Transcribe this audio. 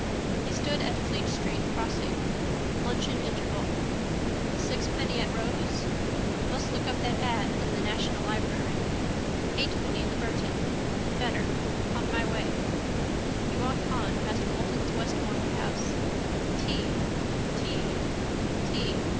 He stood at Fleet street crossing. Luncheon interval. A sixpenny at Rowe's? Must look up that ad in the national library. An eightpenny in the Burton. Better. On my way. He walked on past Bolton's Westmoreland house. Tea. Tea. Tea.